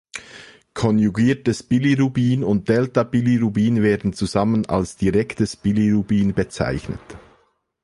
Konjugiertes Bilirubin und Delta-Bilirubin werden zusammen als „direktes Bilirubin“ bezeichnet.